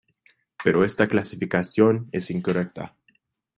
Pero esta clasificación es incorrecta.